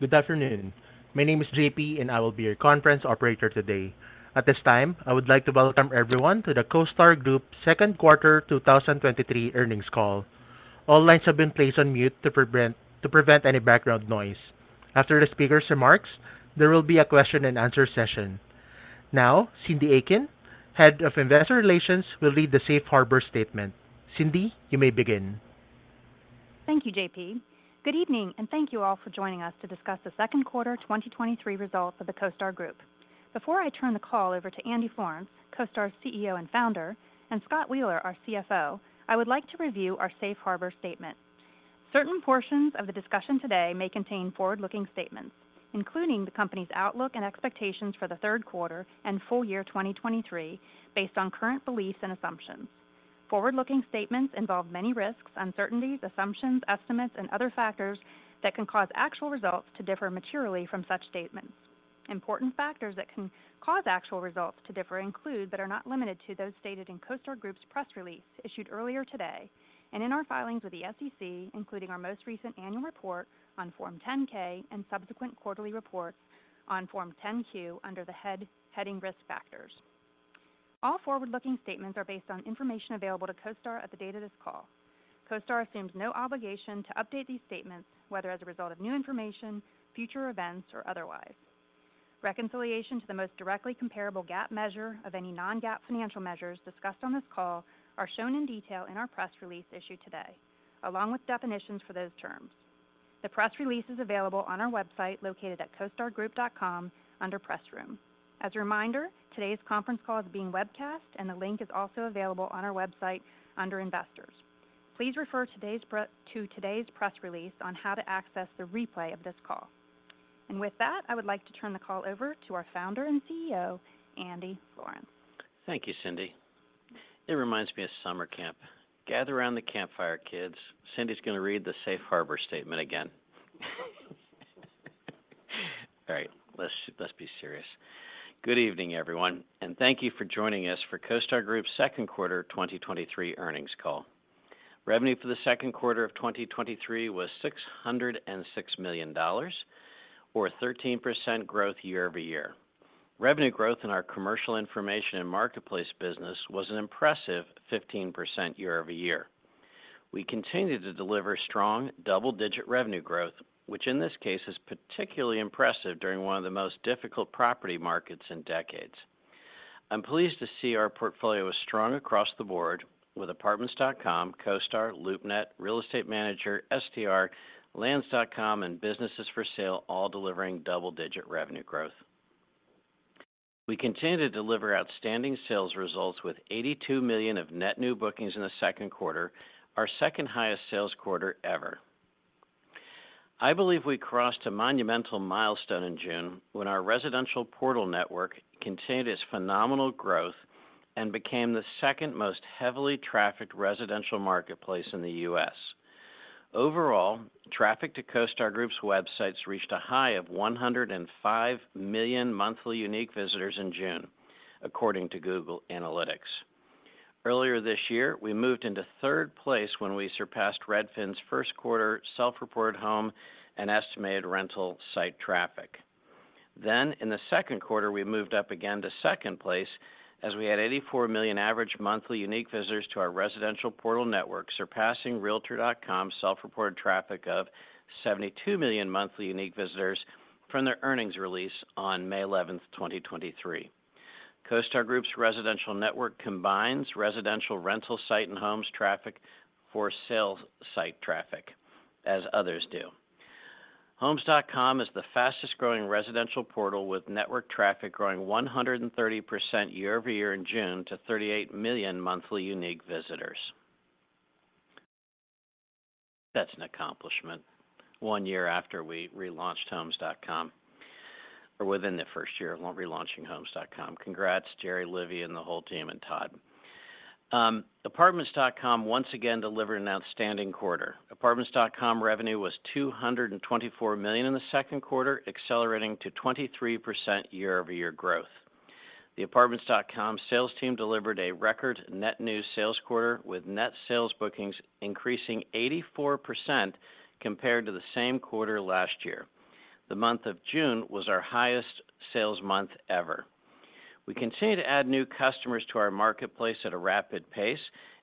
Good afternoon. My name is JP, I will be your conference operator today. At this time, I would like to welcome everyone to the CoStar Group second quarter 2023 earnings call. All lines have been placed on mute to prevent any background noise. After the speaker's remarks, there will be a question and answer session. Now, Cyndi Eakin, Head of Investor Relations, will read the safe harbor statement. Cyndi, you may begin. Thank you, JP. Good evening, and thank you all for joining us to discuss the second quarter 2023 results of CoStar Group. Before I turn the call over to Andy Florance, CoStar's CEO and Founder, and Scott Wheeler, our CFO, I would like to review our safe harbor statement. Certain portions of the discussion today may contain forward-looking statements, including the company's outlook and expectations for the third quarter and full year 2023, based on current beliefs and assumptions. Forward-looking statements involve many risks, uncertainties, assumptions, estimates, and other factors that can cause actual results to differ materially from such statements. Important factors that can cause actual results to differ include, but are not limited to, those stated in CoStar Group's press release issued earlier today and in our filings with the SEC, including our most recent annual report on Form 10-K and subsequent quarterly reports on Form 10-Q under the heading Risk Factors. All forward-looking statements are based on information available to CoStar at the date of this call. CoStar assumes no obligation to update these statements, whether as a result of new information, future events, or otherwise. Reconciliation to the most directly comparable GAAP measure of any non-GAAP financial measures discussed on this call are shown in detail in our press release issued today, along with definitions for those terms. The press release is available on our website, located at costargroup.com under Press Room. As a reminder, today's conference call is being webcast, and the link is also available on our website under Investors. Please refer to today's press release on how to access the replay of this call. With that, I would like to turn the call over to our Founder and CEO, Andy Florance. Thank you, Cyndi. It reminds me of summer camp. Gather around the campfire, kids. Cyndi's going to read the safe harbor statement again. All right, let's be serious. Good evening, everyone. Thank you for joining us for CoStar Group's second quarter 2023 earnings call. Revenue for the second quarter of 2023 was $606 million, or 13% growth year-over-year. Revenue growth in our commercial information and marketplace business was an impressive 15% year-over-year. We continue to deliver strong double-digit revenue growth, which in this case is particularly impressive during one of the most difficult property markets in decades. I'm pleased to see our portfolio is strong across the board with Apartments.com, CoStar, LoopNet, Real Estate Manager, STR, Land.com, and Businesses for Sale, all delivering double-digit revenue growth. We continue to deliver outstanding sales results with $82 million of net new bookings in the second quarter, our second highest sales quarter ever. I believe we crossed a monumental milestone in June when our residential portal network continued its phenomenal growth and became the second most heavily trafficked residential marketplace in the US. Overall, traffic to CoStar Group's websites reached a high of 105 million monthly unique visitors in June, according to Google Analytics. Earlier this year, we moved into third place when we surpassed Redfin's first quarter self-reported home and estimated rental site traffic. In the second quarter, we moved up again to second place as we had 84 million average monthly unique visitors to our residential portal network, surpassing realtor.com's self-reported traffic of 72 million monthly unique visitors from their earnings release on May 11, 2023. CoStar Group's residential network combines residential rental site and homes traffic for sales site traffic, as others do. Homes.com is the fastest-growing residential portal, with network traffic growing 130% year-over-year in June to 38 million monthly unique visitors. That's an accomplishment one year after we relaunched Homes.com, or within the first year of relaunching Homes.com. Congrats, Jerry, Livvy, and the whole team, and Todd. Apartments.com once again delivered an outstanding quarter. Apartments.com revenue was $224 million in the second quarter, accelerating to 23% year-over-year growth. The Apartments.com sales team delivered a record net new sales quarter, with net sales bookings increasing 84% compared to the same quarter last year. The month of June was our highest sales month ever. We continue to add new customers to our marketplace at a rapid pace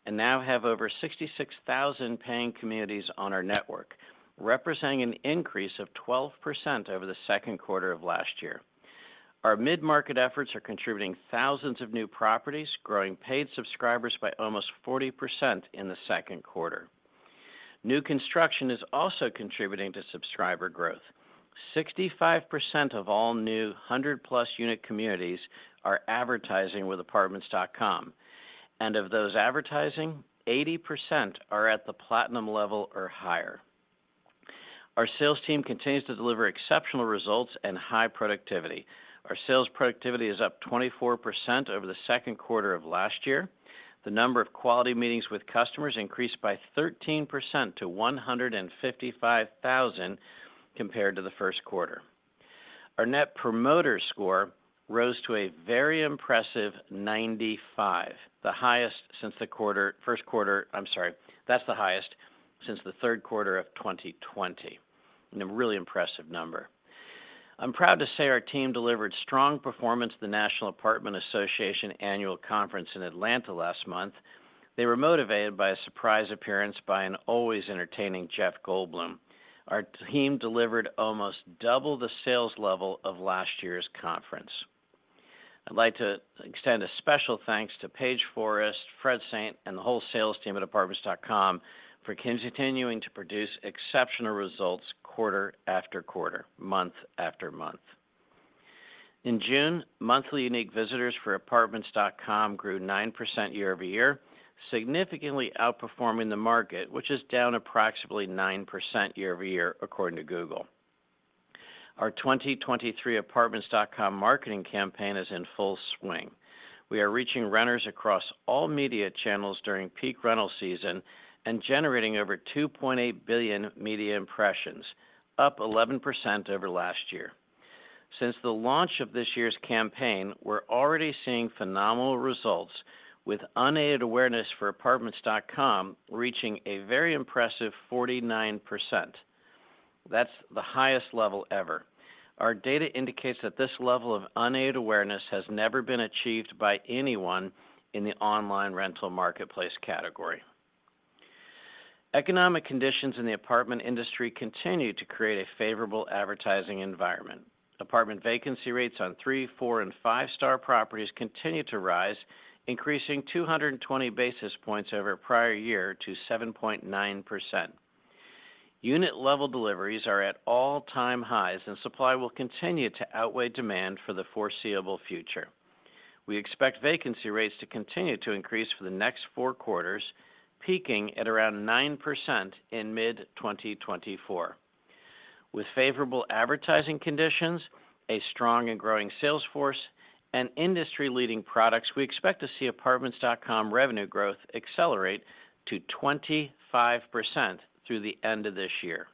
and now have over 66,000 paying communities on our network, representing an increase of 12% over the second quarter of last year. Our mid-market efforts are contributing thousands of new properties, growing paid subscribers by almost 40% in the second quarter. New construction is also contributing to subscriber growth. 65% of all new 100-plus unit communities are advertising with Apartments.com, and of those advertising, 80% are at the Platinum level or higher. Our sales team continues to deliver exceptional results and high productivity. Our sales productivity is up 24% over the second quarter of last year. The number of quality meetings with customers increased by 13% to 155,000 compared to the first quarter. Our Net Promoter Score rose to a very impressive 95, the highest since the quarter, first quarter. I'm sorry, that's the highest since the third quarter of 2020, and a really impressive number. I'm proud to say our team delivered strong performance at the National Apartment Association Annual Conference in Atlanta last month. They were motivated by a surprise appearance by an always entertaining Jeff Goldblum. Our team delivered almost double the sales level of last year's conference. I'd like to extend a special thanks to Paige Forrest, Fred Saint, and the whole sales team at Apartments.com, for continuing to produce exceptional results quarter after quarter, month after month. In June, monthly unique visitors for Apartments.com grew 9% year-over-year, significantly outperforming the market, which is down approximately 9% year-over-year, according to Google. Our 2023 Apartments.com marketing campaign is in full swing. We are reaching renters across all media channels during peak rental season and generating over $2.8 billion media impressions, up 11% over last year. Since the launch of this year's campaign, we're already seeing phenomenal results, with unaided awareness for Apartments.com reaching a very impressive 49%. That's the highest level ever. Our data indicates that this level of unaided awareness has never been achieved by anyone in the online rental marketplace category. Economic conditions in the apartment industry continue to create a favorable advertising environment. Apartment vacancy rates on three, four, and five-star properties continue to rise, increasing 220 basis points over a prior year to 7.9%. Unit-level deliveries are at all-time highs, and supply will continue to outweigh demand for the foreseeable future. We expect vacancy rates to continue to increase for the next four quarters, peaking at around 9% in mid-2024. With favorable advertising conditions, a strong and growing sales force, and industry-leading products, we expect to see Apartments.com revenue growth accelerate to 25% through the end of this year.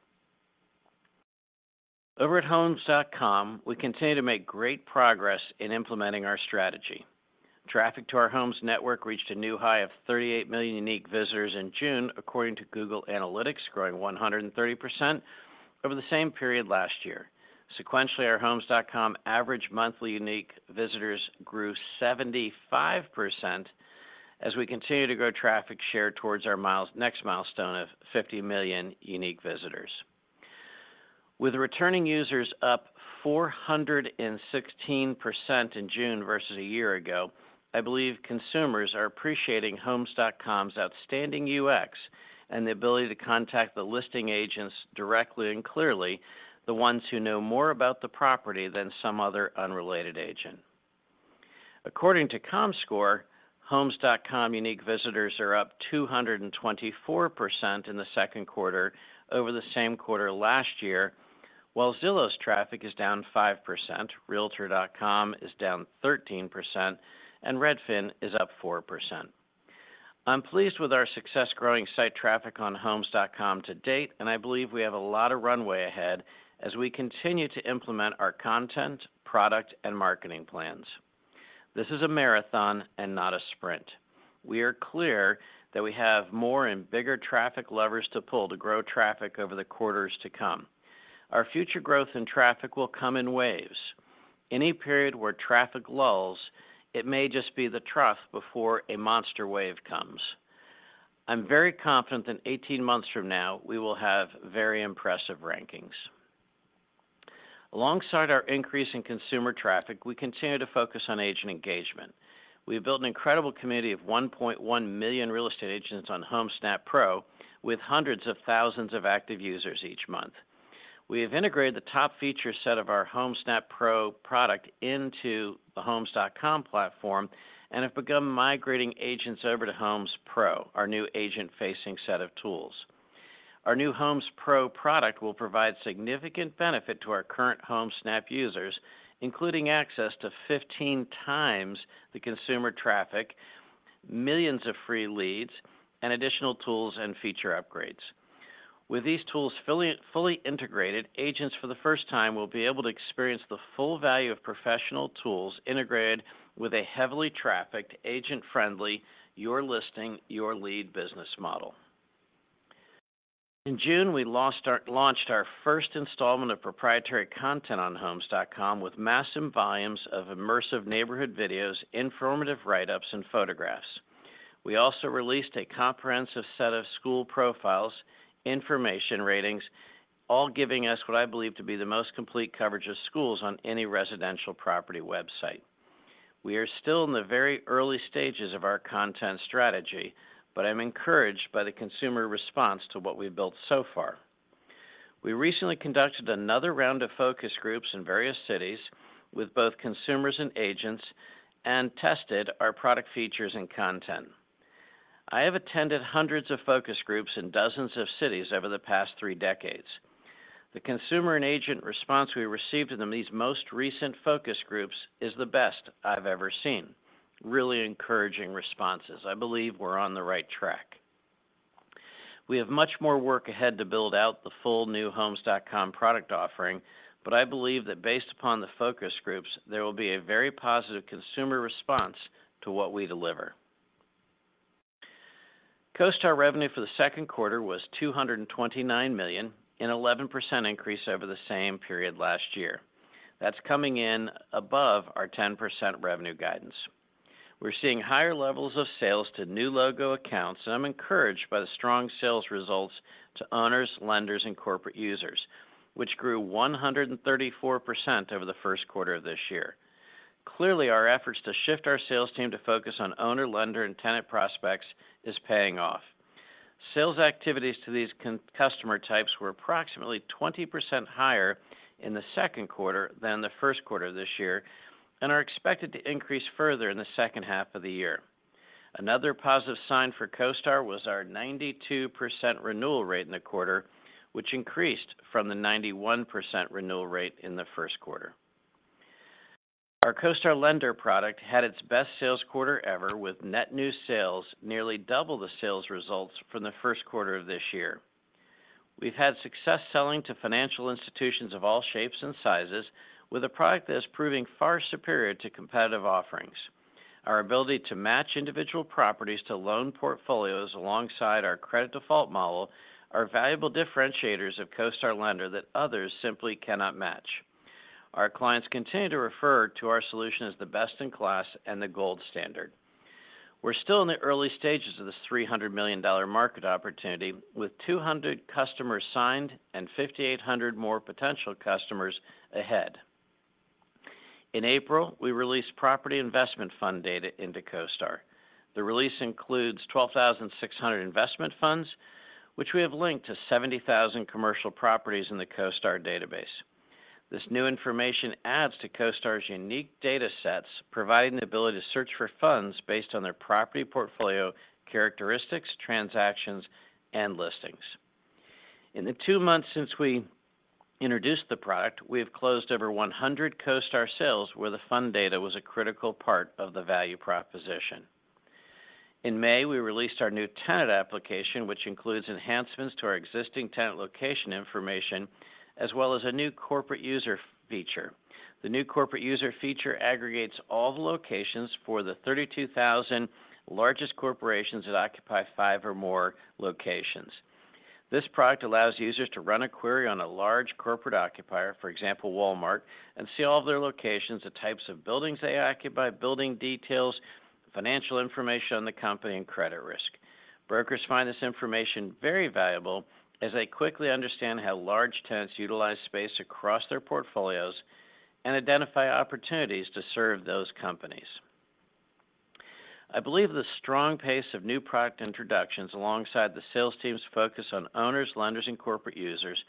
Over at Homes.com, we continue to make great progress in implementing our strategy. Traffic to our Homes network reached a new high of 38 million unique visitors in June, according to Google Analytics, growing 130% over the same period last year. Sequentially, our Homes.com average monthly unique visitors grew 75%, as we continue to grow traffic share towards our next milestone of 50 million unique visitors. With returning users up 416% in June versus a year ago, I believe consumers are appreciating Homes.com's outstanding UX and the ability to contact the listing agents directly and clearly, the ones who know more about the property than some other unrelated agent. According to Comscore, Homes.com unique visitors are up 224% in the second quarter over the same quarter last year, while Zillow's traffic is down 5%, realtor.com is down 13%, Redfin is up 4%. I'm pleased with our success-growing site traffic on Homes.com to date, I believe we have a lot of runway ahead as we continue to implement our content, product, and marketing plans. This is a marathon and not a sprint. We are clear that we have more and bigger traffic levers to pull to grow traffic over the quarters to come. Our future growth in traffic will come in waves. Any period where traffic lulls, it may just be the trough before a monster wave comes. I'm very confident that 18 months from now, we will have very impressive rankings. Alongside our increase in consumer traffic, we continue to focus on agent engagement. We've built an incredible community of 1.1 million real estate agents on Homesnap Pro, with hundreds of thousands of active users each month. We have integrated the top feature set of our Homesnap Pro product into the Homes.com platform and have begun migrating agents over to Homes Pro, our new agent-facing set of tools. Our new Homes Pro product will provide significant benefit to our current Homesnap users, including access to 15 times the consumer traffic, millions of free leads, and additional tools and feature upgrades. With these tools fully integrated, agents for the first time will be able to experience the full value of professional tools integrated with a heavily trafficked, agent-friendly, your listing, your lead business model. In June, we launched our first installment of proprietary content on Homes.com with massive volumes of immersive neighborhood videos, informative write-ups, and photographs. We also released a comprehensive set of school profiles, information ratings, all giving us what I believe to be the most complete coverage of schools on any residential property website. We are still in the very early stages of our content strategy, but I'm encouraged by the consumer response to what we've built so far. We recently conducted another round of focus groups in various cities with both consumers and agents and tested our product features and content. I have attended hundreds of focus groups in dozens of cities over the past three decades. The consumer and agent response we received in them, these most recent focus groups, is the best I've ever seen. Really encouraging responses. I believe we're on the right track. We have much more work ahead to build out the full Homes.com product offering. I believe that based upon the focus groups, there will be a very positive consumer response to what we deliver. CoStar revenue for the second quarter was $229 million, an 11% increase over the same period last year. That's coming in above our 10% revenue guidance. We're seeing higher levels of sales to new logo accounts. I'm encouraged by the strong sales results to owners, lenders, and corporate users, which grew 134% over the first quarter of this year. Clearly, our efforts to shift our sales team to focus on owner, lender, and tenant prospects is paying off. Sales activities to these customer types were approximately 20% higher in the second quarter than the first quarter of this year, and are expected to increase further in the second half of the year. Another positive sign for CoStar was our 92% renewal rate in the quarter, which increased from the 91% renewal rate in the first quarter. Our CoStar Lender product had its best sales quarter ever, with net new sales nearly double the sales results from the first quarter of this year. We've had success selling to financial institutions of all shapes and sizes, with a product that is proving far superior to competitive offerings. Our ability to match individual properties to loan portfolios alongside our credit default model are valuable differentiators of CoStar Lender that others simply cannot match. Our clients continue to refer to our solution as the best-in-class and the gold standard. We're still in the early stages of this $300 million market opportunity, with 200 customers signed and 5,800 more potential customers ahead. In April, we released property investment fund data into CoStar. The release includes 12,600 investment funds, which we have linked to 70,000 commercial properties in the CoStar database. This new information adds to CoStar's unique data sets, providing the ability to search for funds based on their property portfolio, characteristics, transactions, and listings. In the two months since we introduced the product, we have closed over 100 CoStar sales, where the fund data was a critical part of the value proposition. In May, we released our new tenant application, which includes enhancements to our existing tenant location information, as well as a new corporate user feature. The new corporate user feature aggregates all the locations for the 32,000 largest corporations that occupy five or more locations. This product allows users to run a query on a large corporate occupier, for example, Walmart, and see all of their locations, the types of buildings they occupy, building details, financial information on the company, and credit risk. Brokers find this information very valuable as they quickly understand how large tenants utilize space across their portfolios and identify opportunities to serve those companies. I believe the strong pace of new product introductions, alongside the sales team's focus on owners, lenders, and corporate users,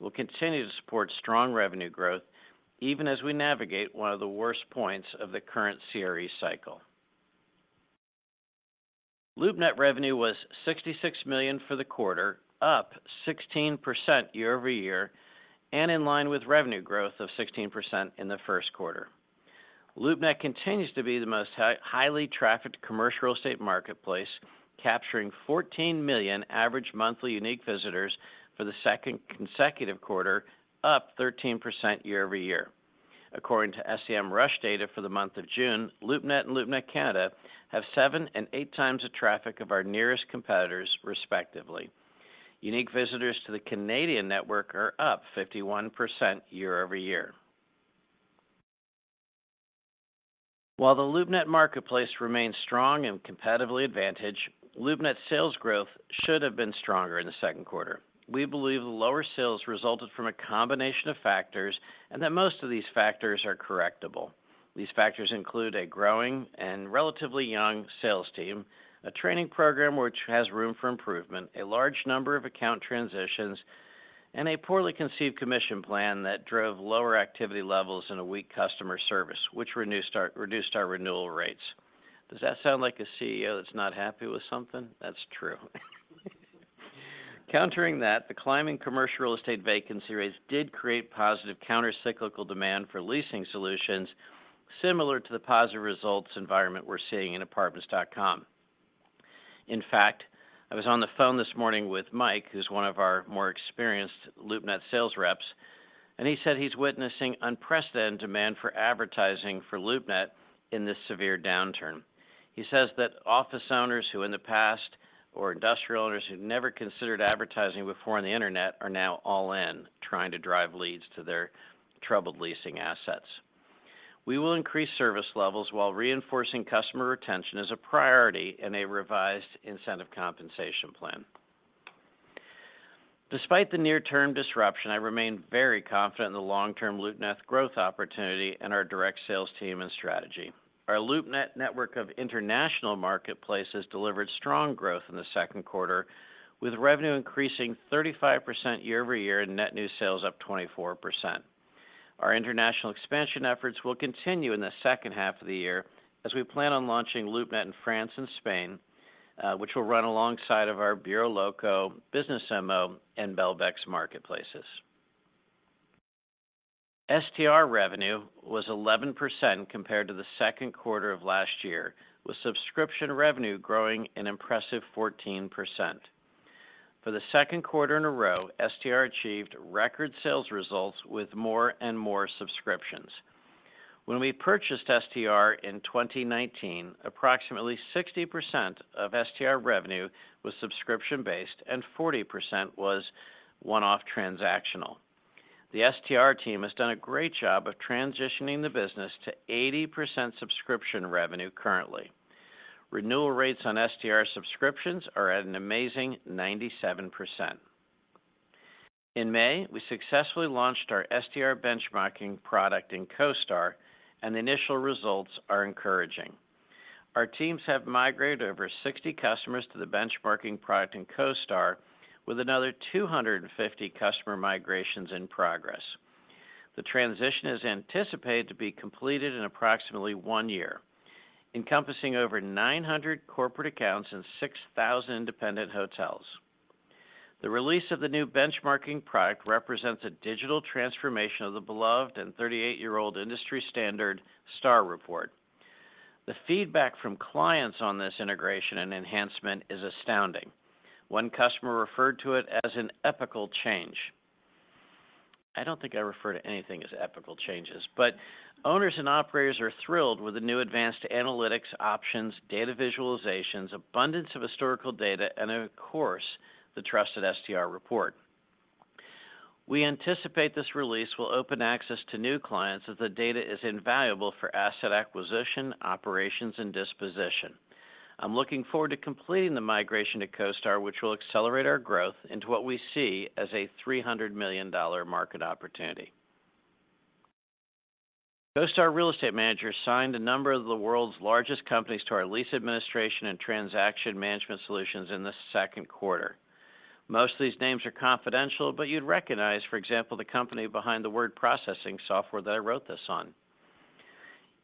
will continue to support strong revenue growth, even as we navigate one of the worst points of the current CRE cycle. LoopNet revenue was $66 million for the quarter, up 16% year-over-year, and in line with revenue growth of 16% in the first quarter. LoopNet continues to be the most highly trafficked commercial real estate marketplace, capturing 14 million average monthly unique visitors for the second consecutive quarter, up 13% year-over-year. According to SEMrush data for the month of June, LoopNet and LoopNet Canada have 7 and 8 times the traffic of our nearest competitors, respectively. Unique visitors to the Canadian network are up 51% year-over-year. While the LoopNet marketplace remains strong and competitively advantaged, LoopNet sales growth should have been stronger in the second quarter. We believe the lower sales resulted from a combination of factors and that most of these factors are correctable. These factors include a growing and relatively young sales team, a training program which has room for improvement, a large number of account transitions, and a poorly conceived commission plan that drove lower activity levels and a weak customer service, which reduced our renewal rates. Does that sound like a CEO that's not happy with something? That's true. Countering that, the climbing commercial real estate vacancy rates did create positive countercyclical demand for leasing solutions, similar to the positive results environment we're seeing in Apartments.com. In fact, I was on the phone this morning with Mike, who's one of our more experienced LoopNet sales reps, and he said he's witnessing unprecedented demand for advertising for LoopNet in this severe downturn. He says that office owners who in the past, or industrial owners who've never considered advertising before on the Internet, are now all in, trying to drive leads to their troubled leasing assets. We will increase service levels while reinforcing customer retention as a priority in a revised incentive compensation plan. Despite the near-term disruption, I remain very confident in the long-term LoopNet growth opportunity and our direct sales team and strategy. Our LoopNet network of international marketplaces delivered strong growth in the second quarter, with revenue increasing 35% year-over-year, and net new sales up 24%. Our international expansion efforts will continue in the second half of the year as we plan on launching LoopNet in France and Spain, which will run alongside of our BureauxLocaux Business Immo and Belbex marketplaces. STR revenue was 11% compared to the second quarter of last year, with subscription revenue growing an impressive 14%. For the second quarter in a row, STR achieved record sales results with more and more subscriptions. When we purchased STR in 2019, approximately 60% of STR revenue was subscription-based and 40% was one-off transactional. The STR team has done a great job of transitioning the business to 80% subscription revenue currently. Renewal rates on STR subscriptions are at an amazing 97%. In May, we successfully launched our STR benchmarking product in CoStar. The initial results are encouraging. Our teams have migrated over 60 customers to the benchmarking product in CoStar, with another 250 customer migrations in progress. The transition is anticipated to be completed in approximately 1 year, encompassing over 900 corporate accounts and 6,000 independent hotels. The release of the new benchmarking product represents a digital transformation of the beloved and 38-year-old industry standard STAR Report. The feedback from clients on this integration and enhancement is astounding. One customer referred to it as an epochal change. I don't think I refer to anything as epochal changes, but owners and operators are thrilled with the new advanced analytics options, data visualizations, abundance of historical data, and of course, the trusted STR Report. We anticipate this release will open access to new clients, as the data is invaluable for asset acquisition, operations, and disposition. I'm looking forward to completing the migration to CoStar, which will accelerate our growth into what we see as a $300 million market opportunity. CoStar Real Estate Manager signed a number of the world's largest companies to our lease administration and transaction management solutions in the second quarter. Most of these names are confidential, but you'd recognize, for example, the company behind the word processing software that I wrote this on.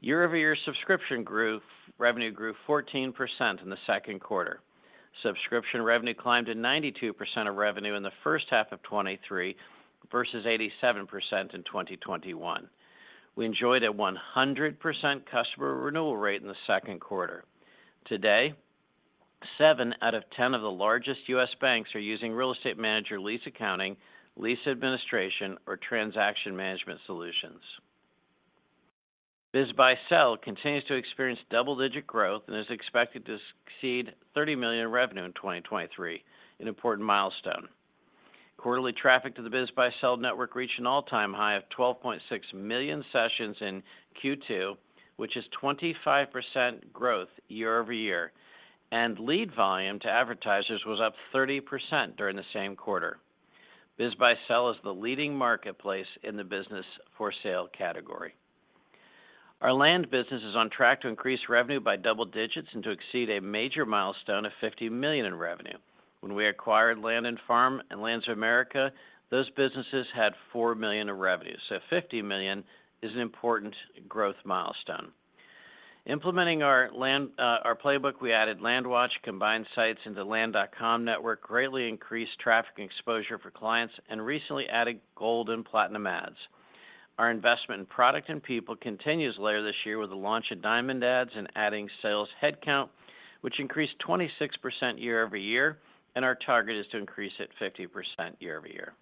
Year-over-year subscription revenue grew 14% in the second quarter. Subscription revenue climbed to 92% of revenue in the first half of 2023 versus 87% in 2021. We enjoyed a 100% customer renewal rate in the second quarter. Today, 7 out of 10 of the largest U.S. banks are using Real Estate Manager lease accounting, lease administration, or transaction management solutions. BizBuySell continues to experience double-digit growth and is expected to exceed $30 million in revenue in 2023, an important milestone. Quarterly traffic to the BizBuySell network reached an all-time high of 12.6 million sessions in Q2, which is 25% growth year-over-year, and lead volume to advertisers was up 30% during the same quarter. BizBuySell is the leading marketplace in the business for sale category. Our land business is on track to increase revenue by double digits and to exceed a major milestone of $50 million in revenue. When we acquired Land and Farm and Lands of America, those businesses had $4 million in revenue, so $50 million is an important growth milestone. Implementing our land, our playbook, we added LandWatch, combined sites into Land.com network, greatly increased traffic and exposure for clients, and recently added Gold and Platinum ads. Our investment in product and people continues later this year with the launch of Diamond Ads and adding sales headcount, which increased 26% year-over-year. Our target is to increase it 50% year-over-year.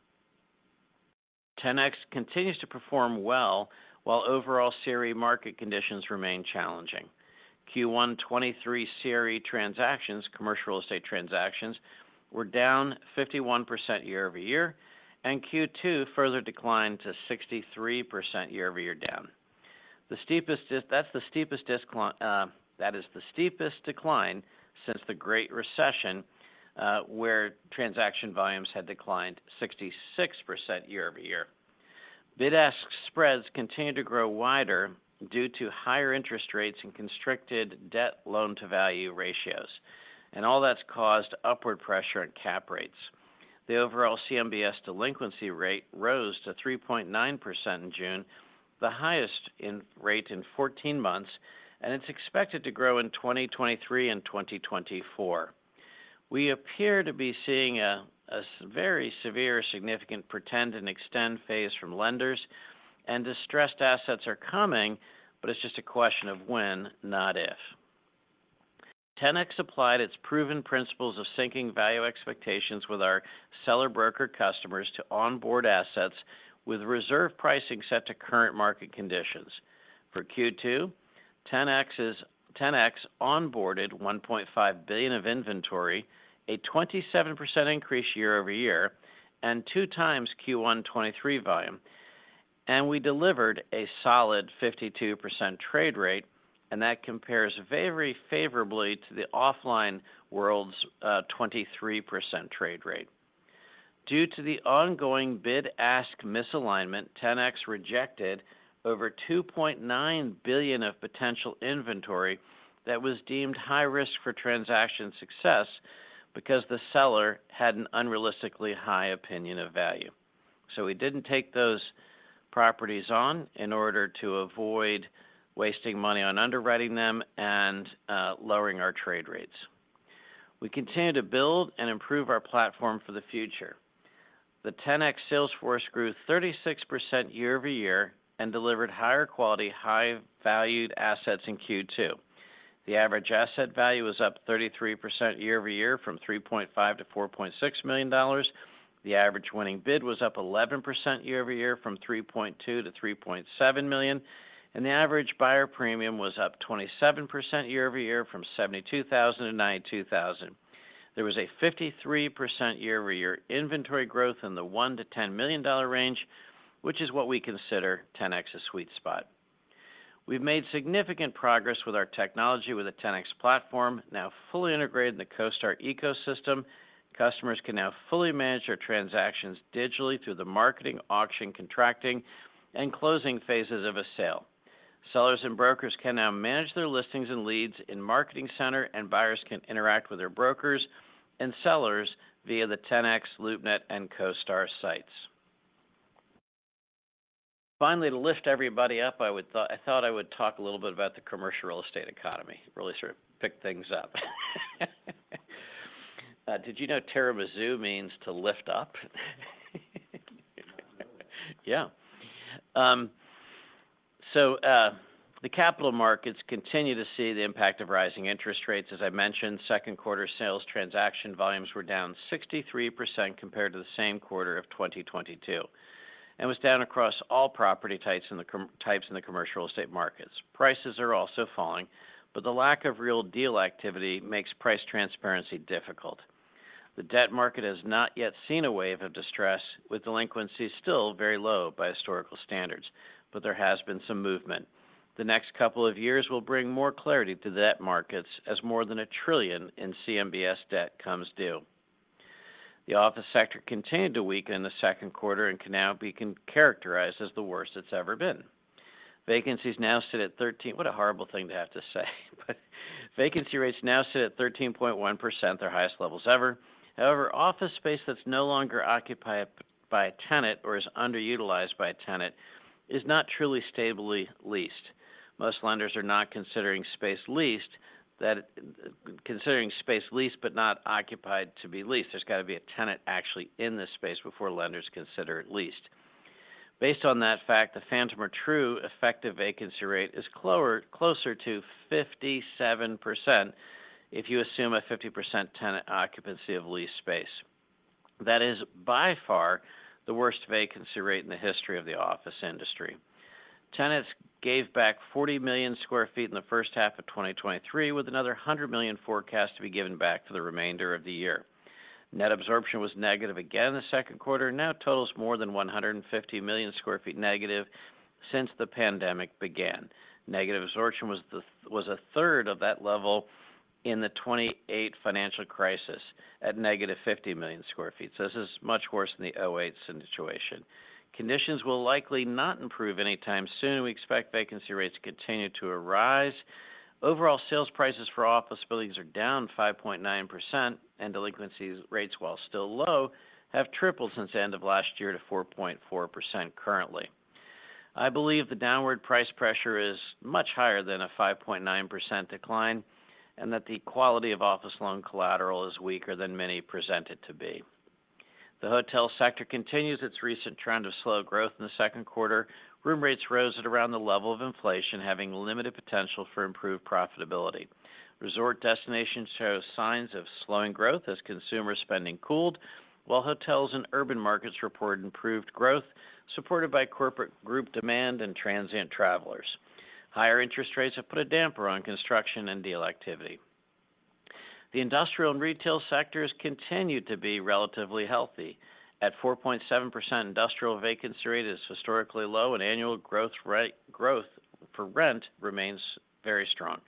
Ten-X continues to perform well while overall CRE market conditions remain challenging. Q1 2023 CRE transactions, commercial real estate transactions, were down 51% year-over-year. Q2 further declined to 63% year-over-year down. That's the steepest decline since the Great Recession, where transaction volumes had declined 66% year-over-year. bid-ask spreads continue to grow wider due to higher interest rates and constricted debt loan-to-value ratios. All that's caused upward pressure on cap rates. The overall CMBS delinquency rate rose to 3.9% in June, the highest in rate in 14 months, and it's expected to grow in 2023 and 2024. We appear to be seeing a very severe, significant pretend and extend phase from lenders and distressed assets are coming, but it's just a question of when, not if. Ten-X applied its proven principles of syncing value expectations with our seller broker customers to onboard assets with reserve pricing set to current market conditions. For Q2, Ten-X onboarded $1.5 billion of inventory, a 27% increase year-over-year, and 2 times Q1 2023 volume, and we delivered a solid 52% trade rate, and that compares very favorably to the offline world's 23% trade rate. Due to the ongoing bid-ask misalignment, Ten-X rejected over $2.9 billion of potential inventory that was deemed high risk for transaction success because the seller had an unrealistically high opinion of value. We didn't take those properties on in order to avoid wasting money on underwriting them and lowering our trade rates. We continue to build and improve our platform for the future. The Ten-X sales force grew 36% year-over-year and delivered higher quality, high valued assets in Q2. The average asset value was up 33% year-over-year from $3.5 million-$4.6 million. The average winning bid was up 11% year-over-year from $3.2 million-$3.7 million, and the average buyer premium was up 27% year-over-year from $72,000-$92,000. There was a 53% year-over-year inventory growth in the $1 million-$10 million range, which is what we consider Ten-X's sweet spot. We've made significant progress with our technology, with the Ten-X platform now fully integrated in the CoStar ecosystem. Customers can now fully manage their transactions digitally through the marketing, auction, contracting, and closing phases of a sale. Sellers and brokers can now manage their listings and leads in Marketing Center. Buyers can interact with their brokers and sellers via the Ten-X, LoopNet, and CoStar sites. Finally, to lift everybody up, I thought I would talk a little bit about the commercial real estate economy. Really sort of pick things up. Did you know tiramisu means to lift up? Yeah. The capital markets continue to see the impact of rising interest rates as I mentioned. Second quarter sales transaction volumes were down 63% compared to the same quarter of 2022, was down across all property types in the commercial real estate markets. Prices are also falling. The lack of real deal activity makes price transparency difficult. The debt market has not yet seen a wave of distress, with delinquencies still very low by historical standards. There has been some movement. The next couple of years will bring more clarity to debt markets as more than $1 trillion in CMBS debt comes due. The office sector continued to weaken in the second quarter and can now be characterized as the worst it's ever been. Vacancies now sit at 13. What a horrible thing to have to say. Vacancy rates now sit at 13.1%, their highest levels ever. Office space that's no longer occupied by a tenant or is underutilized by a tenant is not truly stably leased. Most lenders are not considering space leased, considering space leased but not occupied to be leased. There's got to be a tenant actually in this space before lenders consider it leased. Based on that fact, the phantom or true effective vacancy rate is closer to 57% if you assume a 50% tenant occupancy of leased space. That is by far the worst vacancy rate in the history of the office industry. Tenants gave back 40 million sq ft in the first half of 2023, with another 100 million forecast to be given back for the remainder of the year. Net absorption was negative again in the second quarter, and now totals more than 150 million sq ft negative since the pandemic began. Negative absorption was a third of that level in the 2008 financial crisis, at negative 50 million sq ft. This is much worse than the 2008 situation. Conditions will likely not improve anytime soon, and we expect vacancy rates to continue to arise. Overall, sales prices for office buildings are down 5.9%, and delinquency rates, while still low, have tripled since the end of last year to 4.4% currently. I believe the downward price pressure is much higher than a 5.9% decline, and that the quality of office loan collateral is weaker than many present it to be. The hotel sector continues its recent trend of slow growth in the second quarter. Room rates rose at around the level of inflation, having limited potential for improved profitability. Resort destinations show signs of slowing growth as consumer spending cooled, while hotels in urban markets report improved growth, supported by corporate group demand and transient travelers. Higher interest rates have put a damper on construction and deal activity. The industrial and retail sectors continued to be relatively healthy. At 4.7%, industrial vacancy rate is historically low, and annual growth for rent remains very strong.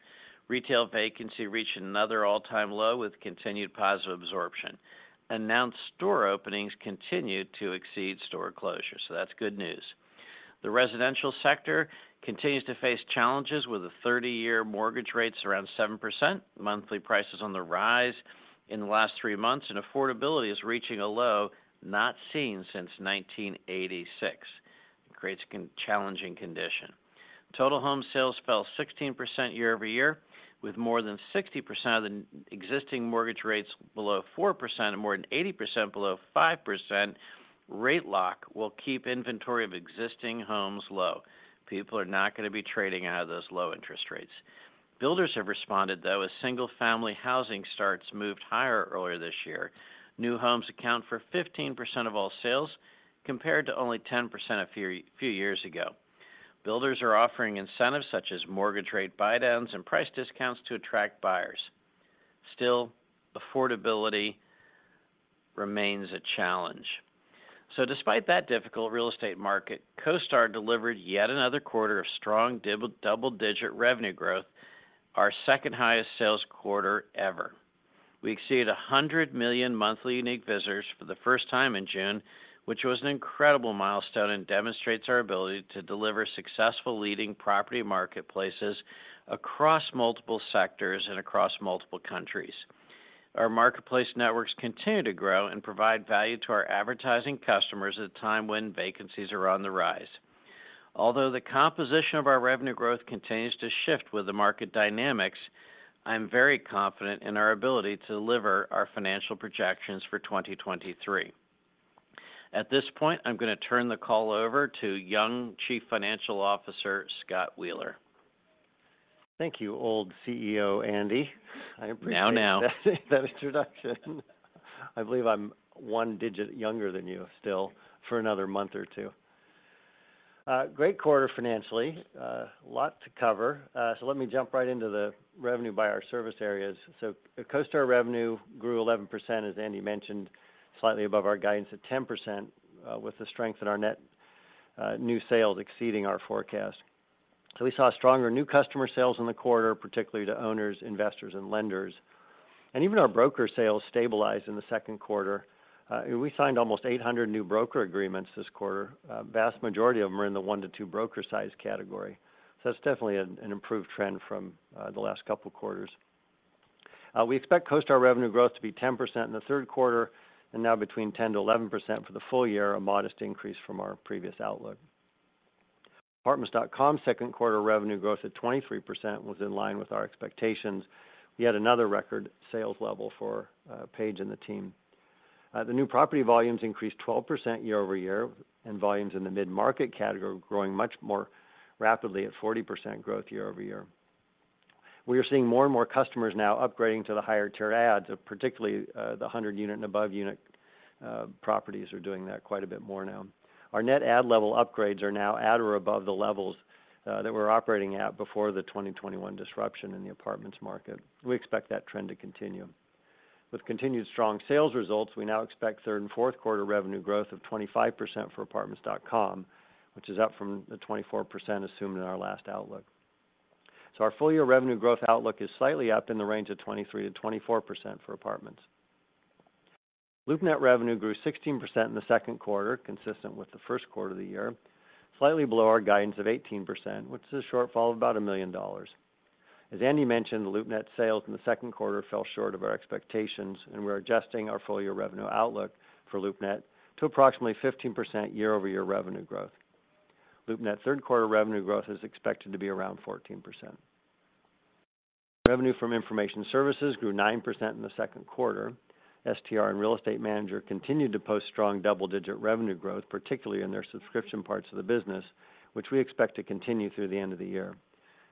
Retail vacancy reached another all-time low, with continued positive absorption. Announced store openings continued to exceed store closures. That's good news. The residential sector continues to face challenges with a 30-year mortgage rates around 7%, monthly prices on the rise in the last 3 months, and affordability is reaching a low not seen since 1986. Creates challenging condition. Total home sales fell 16% year-over-year, with more than 60% of the existing mortgage rates below 4% and more than 80% below 5%. Rate lock will keep inventory of existing homes low. People are not going to be trading out of those low interest rates. Builders have responded, though, as single-family housing starts moved higher earlier this year. New homes account for 15% of all sales, compared to only 10% a few years ago. Builders are offering incentives such as mortgage rate buydowns and price discounts to attract buyers. Still, affordability remains a challenge. Despite that difficult real estate market, CoStar delivered yet another quarter of strong double-digit revenue growth, our second highest sales quarter ever. We exceeded 100 million monthly unique visitors for the first time in June, which was an incredible milestone and demonstrates our ability to deliver successful leading property marketplaces across multiple sectors and across multiple countries. Our marketplace networks continue to grow and provide value to our advertising customers at a time when vacancies are on the rise. The composition of our revenue growth continues to shift with the market dynamics, I'm very confident in our ability to deliver our financial projections for 2023. At this point, I'm going to turn the call over to young Chief Financial Officer, Scott Wheeler. Thank you, old CEO, Andy. Now, now. I appreciate that introduction. I believe I'm one digit younger than you still for another month or two. Great quarter financially. A lot to cover, let me jump right into the revenue by our service areas. The CoStar revenue grew 11%, as Andy mentioned, slightly above our guidance of 10%, with the strength in our net new sales exceeding our forecast. We saw stronger new customer sales in the quarter, particularly to owners, investors, and lenders, and even our broker sales stabilized in the second quarter. We signed almost 800 new broker agreements this quarter. A vast majority of them are in the 1 to 2 broker size category, that's definitely an improved trend from the last couple of quarters. We expect CoStar revenue growth to be 10% in the third quarter and now between 10%-11% for the full year, a modest increase from our previous outlook. Apartments.com second quarter revenue growth at 23% was in line with our expectations. We had another record sales level for Paige and the team. The new property volumes increased 12% year-over-year, and volumes in the mid-market category were growing much more rapidly at 40% growth year-over-year. We are seeing more and more customers now upgrading to the higher tier ads, particularly, the 100 unit and above unit properties are doing that quite a bit more now. Our net ad level upgrades are now at or above the levels that we're operating at before the 2021 disruption in the apartments market. We expect that trend to continue. With continued strong sales results, we now expect third and fourth quarter revenue growth of 25% for Apartments.com, which is up from the 24% assumed in our last outlook. Our full year revenue growth outlook is slightly up in the range of 23%-24% for apartments. LoopNet revenue grew 16% in the second quarter, consistent with the first quarter of the year, slightly below our guidance of 18%, which is a shortfall of about $1 million. As Andy mentioned, the LoopNet sales in the second quarter fell short of our expectations, we're adjusting our full year revenue outlook for LoopNet to approximately 15% year-over-year revenue growth. LoopNet third quarter revenue growth is expected to be around 14%. Revenue from information services grew 9% in the second quarter. STR and CoStar Real Estate Manager continued to post strong double-digit revenue growth, particularly in their subscription parts of the business, which we expect to continue through the end of the year.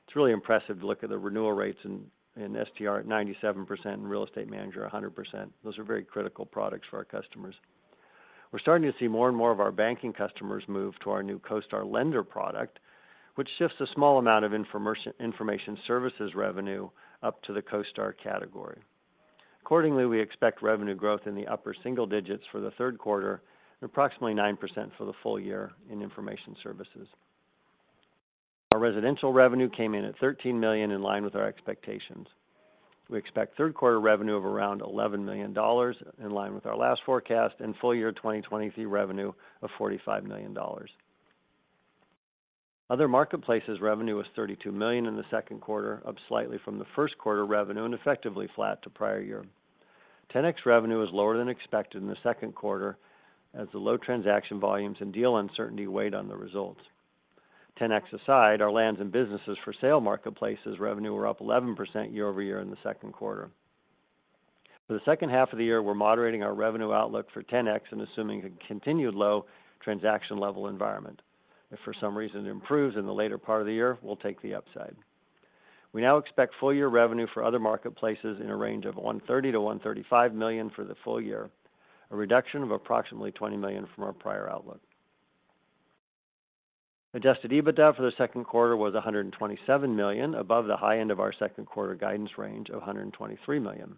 It's really impressive to look at the renewal rates in STR at 97% and CoStar Real Estate Manager, 100%. Those are very critical products for our customers. We're starting to see more and more of our banking customers move to our new CoStar Lender product, which shifts a small amount of information services revenue up to the CoStar category. Accordingly, we expect revenue growth in the upper single digits for the third quarter and approximately 9% for the full year in information services. Our residential revenue came in at $13 million, in line with our expectations. We expect third quarter revenue of around $11 million, in line with our last forecast, and full year 2023 revenue of $45 million. Other marketplaces revenue was $32 million in the second quarter, up slightly from the first quarter revenue and effectively flat to prior year. Ten-X revenue was lower than expected in the second quarter as the low transaction volumes and deal uncertainty weighed on the results. Ten-X aside, our lands and businesses for sale marketplaces revenue were up 11% year-over-year in the second quarter. For the second half of the year, we're moderating our revenue outlook for Ten-X and assuming a continued low transaction level environment. If for some reason it improves in the later part of the year, we'll take the upside. We now expect full year revenue for other marketplaces in a range of $130 million-$135 million for the full year, a reduction of approximately $20 million from our prior outlook. Adjusted EBITDA for the second quarter was $127 million, above the high end of our second quarter guidance range of $123 million.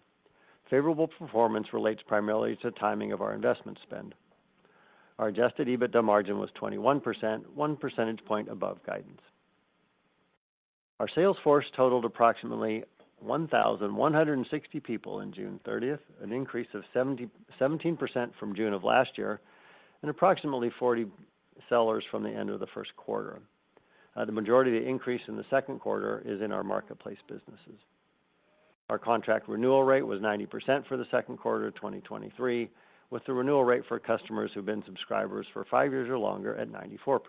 Favorable performance relates primarily to the timing of our investment spend. Our adjusted EBITDA margin was 21%, 1 percentage point above guidance. Our sales force totaled approximately 1,160 people in June 30th, an increase of 17% from June of last year, and approximately 40 sellers from the end of the first quarter. The majority of the increase in the second quarter is in our marketplace businesses. Our contract renewal rate was 90% for the second quarter of 2023, with the renewal rate for customers who've been subscribers for 5 years or longer at 94%.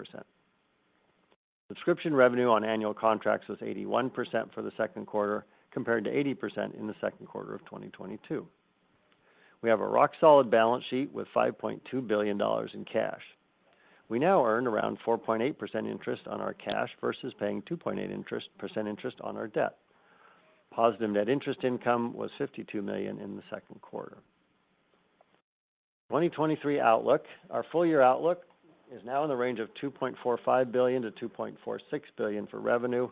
Subscription revenue on annual contracts was 81% for the second quarter, compared to 80% in the second quarter of 2022. We have a rock-solid balance sheet with $5.2 billion in cash. We now earn around 4.8% interest on our cash versus paying 2.8% interest on our debt. Positive net interest income was $52 million in the second quarter. 2023 outlook. Our full year outlook is now in the range of $2.45 billion-$2.46 billion for revenue,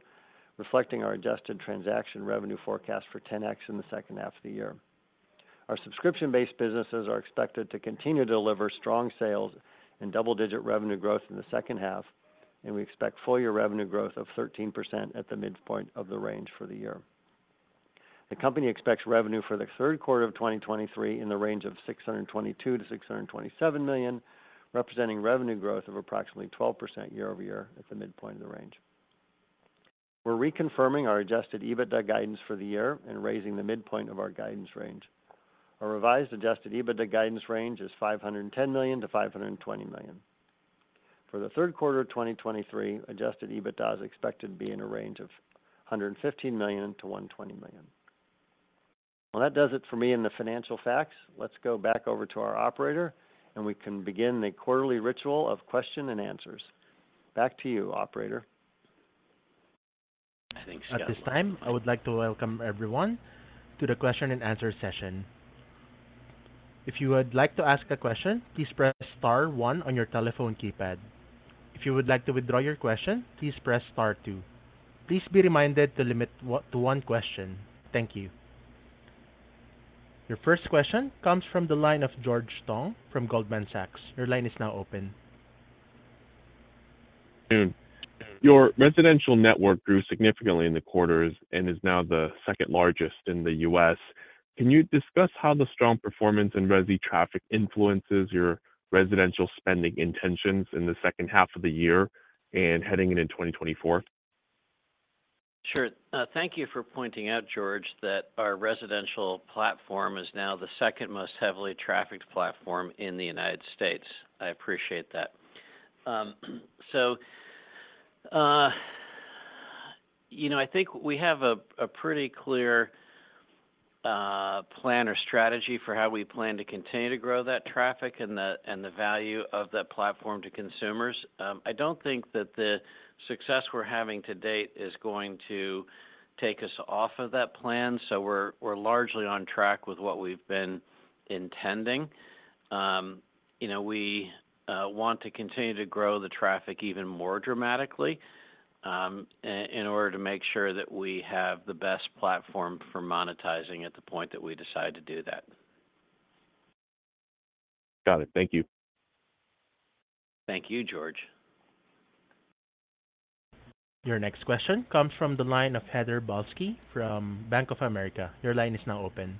reflecting our adjusted transaction revenue forecast for Ten-X in the second half of the year. Our subscription-based businesses are expected to continue to deliver strong sales and double-digit revenue growth in the second half. We expect full year revenue growth of 13% at the midpoint of the range for the year. The company expects revenue for the third quarter of 2023 in the range of $622 million-$627 million, representing revenue growth of approximately 12% year-over-year at the midpoint of the range. We're reconfirming our adjusted EBITDA guidance for the year and raising the midpoint of our guidance range. Our revised adjusted EBITDA guidance range is $510 million-$520 million. For the third quarter of 2023, adjusted EBITDA is expected to be in a range of $115 million-$120 million. Well, that does it for me in the financial facts. Let's go back over to our operator, and we can begin the quarterly ritual of question and answers. Back to you, operator. At this time, I would like to welcome everyone to the question and answer session. If you would like to ask a question, please press star one on your telephone keypad. If you would like to withdraw your question, please press star two. Please be reminded to limit to one question. Thank you. Your first question comes from the line of George Tong from Goldman Sachs. Your line is now open. Good afternoon. Your residential network grew significantly in the quarters and is now the second-largest in the U.S. Can you discuss how the strong performance in resi traffic influences your residential spending intentions in the second half of the year and heading into 2024? Sure. Thank you for pointing out, George, that our residential platform is now the second most heavily trafficked platform in the United States. I appreciate that. You know, I think we have a pretty clear plan or strategy for how we plan to continue to grow that traffic and the value of that platform to consumers. I don't think that the success we're having to date is going to take us off of that plan, so we're largely on track with what we've been intending. You know, we want to continue to grow the traffic even more dramatically, in order to make sure that we have the best platform for monetizing at the point that we decide to do that. Got it. Thank you. Thank you, George. Your next question comes from the line of Heather Balsky from Bank of America. Your line is now open.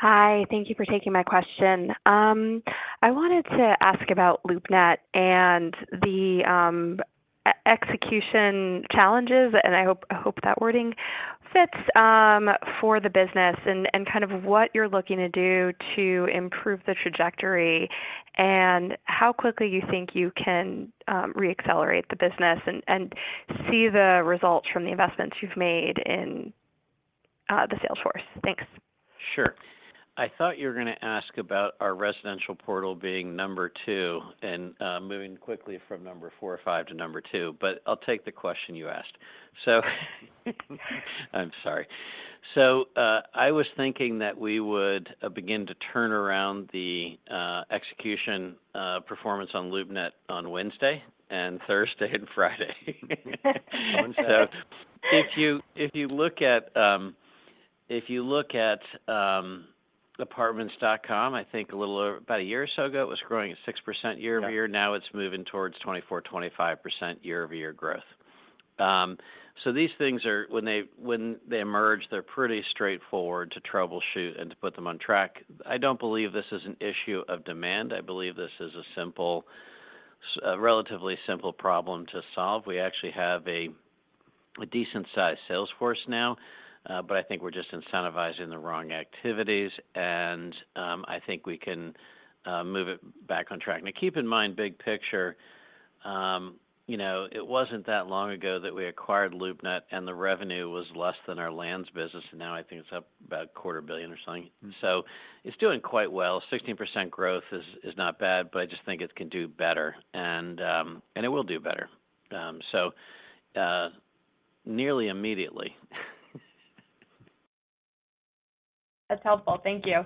Hi, thank you for taking my question. I wanted to ask about LoopNet and the execution challenges, and I hope that wording fits, for the business and kind of what you're looking to do to improve the trajectory, and how quickly you think you can reaccelerate the business and see the results from the investments you've made in the sales force? Thanks. Sure. I thought you were gonna ask about our residential portal being number two and moving quickly from number four or five to number two, but I'll take the question you asked. I'm sorry. I was thinking that we would begin to turn around the execution performance on LoopNet on Wednesday and Thursday and Friday. If you look at Apartments.com, I think a little over about a year or so ago, it was growing at 6% year-over-year. Yeah. It's moving towards 24%-25% year-over-year growth. These things are, when they emerge, they're pretty straightforward to troubleshoot and to put them on track. I don't believe this is an issue of demand. I believe this is a simple, a relatively simple problem to solve. We actually have a decent-sized sales force now, I think we're just incentivizing the wrong activities, I think we can move it back on track. Keep in mind, big picture, you know, it wasn't that long ago that we acquired LoopNet, the revenue was less than our lands business, I think it's up about a quarter billion or something. It's doing quite well. 16% growth is not bad, I just think it can do better, it will do better. Nearly immediately. That's helpful. Thank you.